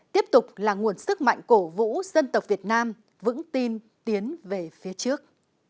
tiếp tục là nguồn sức mạnh cổ vũ dân tộc việt nam vững tin tiến về phía trước